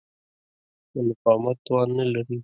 د مقاومت توان نه لري.